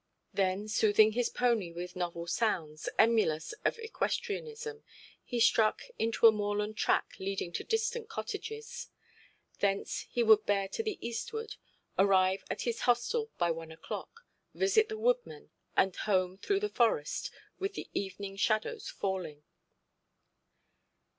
Then soothing his pony with novel sounds, emulous of equestrianism, he struck into a moorland track leading to distant cottages. Thence he would bear to the eastward, arrive at his hostel by one oʼclock, visit the woodmen, and home through the forest, with the evening shadows falling.